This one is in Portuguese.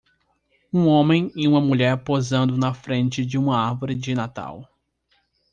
Um homem e uma mulher posando na frente de uma árvore de Natal.